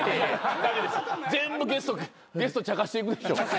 駄目です全部ゲストちゃかしていくでしょ？